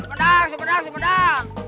supendang supendang supendang